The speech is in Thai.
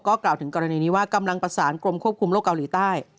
กล่าวถึงกรณีนี้ว่ากำลังประสานกรมควบคุมโลกเกาหลีใต้